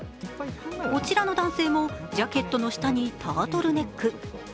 こちらの男性も、ジャケットの下にタートルネック。